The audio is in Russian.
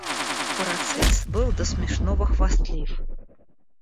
Парацельс был до смешного хвастлив.